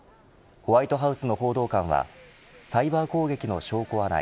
ホワイトハウスの報道官はサイバー攻撃の証拠はない。